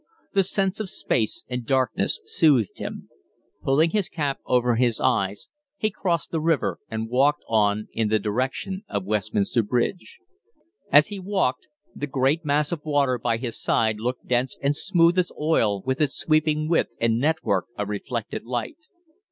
The sense of space and darkness soothed him. Pulling his cap over his eyes, he crossed to the river and walked on in the direction of Westminster Bridge. As he walked the great mass, of water by his side looked dense and smooth as oil with its sweeping width and network of reflected light.